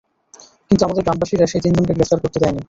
কিন্তু আমাদের গ্রামবাসীরা সেই তিনজনকে গ্রেফতার করতে দেয়নি।